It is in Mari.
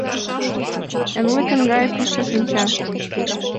Янлыкын гай пӱсӧ шинча —